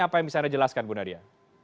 apa yang bisa anda jelaskan bu nadia